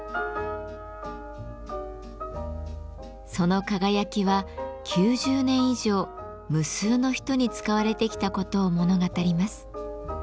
その輝きは９０年以上無数の人に使われてきたことを物語ります。